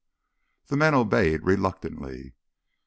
The men obeyed reluctantly.